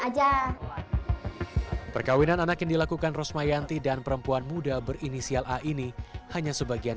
aja perkawinan anak yang dilakukan rosmayanti dan perempuan muda berinisial a ini hanya sebagian